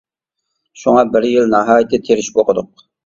شۇڭا بىر يىل ناھايىتى تىرىشىپ ئوقۇدۇق.